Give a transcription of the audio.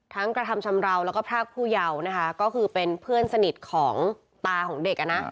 กระทำชำราวแล้วก็พรากผู้เยาว์นะคะก็คือเป็นเพื่อนสนิทของตาของเด็กอ่ะนะ